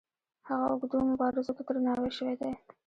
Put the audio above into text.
هغو اوږدو مبارزو ته درناوی شوی دی.